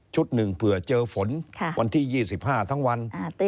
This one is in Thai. หนึ่งเผื่อเจอฝนวันที่๒๕ทั้งวัน